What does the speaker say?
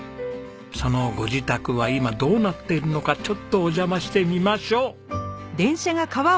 そのご自宅は今どうなっているのかちょっとお邪魔してみましょう。